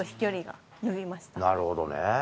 なるほどね。